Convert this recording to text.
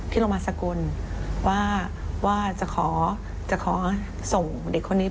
โรงพยาบาลสกุลว่าจะขอจะขอส่งเด็กคนนี้